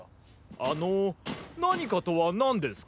あの「何か」とはなんですか？